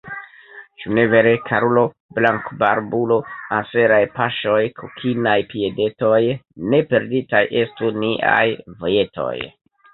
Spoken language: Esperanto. Ĉu ne vere, karulo, blankbarbulo, anseraj paŝoj, kokinaj piedetoj, ne perditaj estu niaj vojetoj!